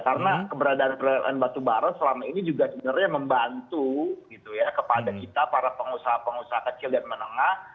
karena keberadaan pln batubara selama ini juga sebenarnya membantu gitu ya kepada kita para pengusaha pengusaha kecil dan menengah